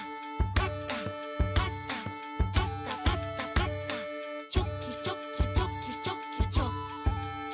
「パタパタパタパタパタ」「チョキチョキチョキチョキチョキ」